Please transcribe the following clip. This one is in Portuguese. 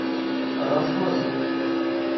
Araçuaí